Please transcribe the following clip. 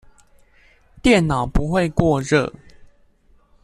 電腦不會過熱